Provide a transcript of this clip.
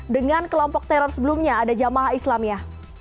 dengan kelompok teror sebelumnya ada jamaah islam ya